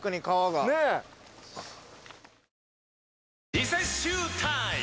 リセッシュータイム！